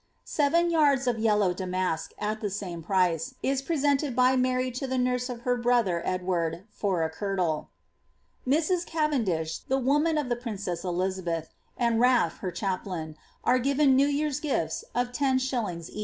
Seven yartis of yellow damask, at the same price, is presented by Maiy tn the nurse of her brother Edward, for a kirtle. Mrs. Cavendish* the womin of tlie princess Elizabeth, and Ralf, her chaplain, are given New ycir's gifts of 10s.